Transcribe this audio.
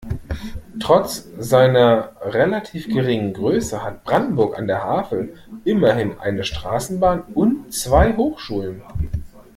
Trotz seiner relativ geringen Größe hat Brandenburg an der Havel immerhin eine Straßenbahn und zwei Hochschulen.